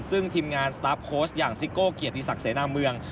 ซึ่งทีมงานสตาร์ฟโค้ชอย่างซิโก้เกียรติศักดิเสนาเมือง